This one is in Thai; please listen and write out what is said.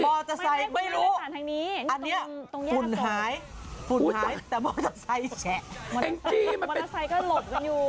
บอเตอร์ไซค์ไม่รู้อันนี้ฝุ่นหายฝุ่นหายแต่บอเตอร์ไซค์แชะมันเป็นบอเตอร์ไซค์ก็หลบกันอยู่